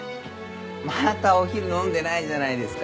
「またお昼飲んでないじゃないですか」